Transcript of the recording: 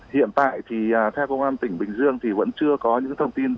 hiện tại thì theo công an tỉnh bình dương thì vẫn chưa có những thông tin